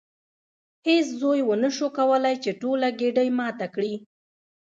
هیڅ زوی ونشو کولی چې ټوله ګېډۍ ماته کړي.